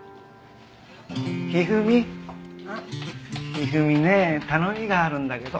一二三ねえ頼みがあるんだけど。